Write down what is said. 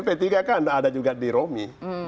p tiga kan ada juga di romi